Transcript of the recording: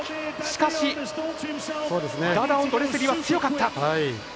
しかし、ダダオンとレスリーは強かった。